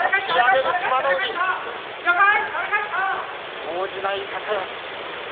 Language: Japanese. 動じない高安。